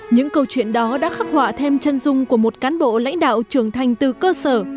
những câu chuyện đó đã khắc họa thêm chân dung của một cán bộ lãnh đạo trưởng thành từ cơ sở